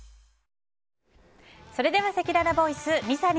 それではせきららボイス。